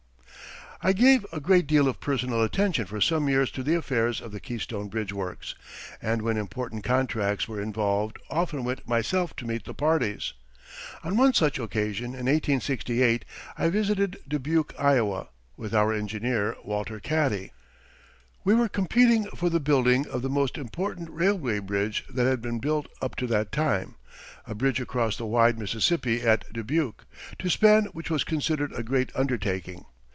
I gave a great deal of personal attention for some years to the affairs of the Keystone Bridge Works, and when important contracts were involved often went myself to meet the parties. On one such occasion in 1868, I visited Dubuque, Iowa, with our engineer, Walter Katte. We were competing for the building of the most important railway bridge that had been built up to that time, a bridge across the wide Mississippi at Dubuque, to span which was considered a great undertaking.